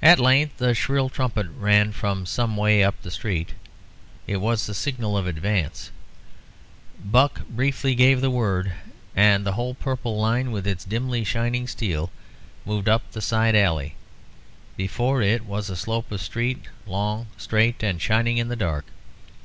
At length a shrill trumpet rang from some way up the street; it was the signal of advance. Buck briefly gave the word, and the whole purple line, with its dimly shining steel, moved up the side alley. Before it was a slope of street, long, straight, and shining in the dark.